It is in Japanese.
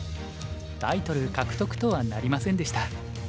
タイトル獲得とはなりませんでした。